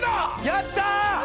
やったー！